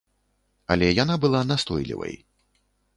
Але яна была настойлівай.